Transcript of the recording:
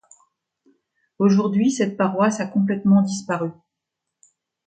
Aujourd'hui, cette paroisse a complètement disparu.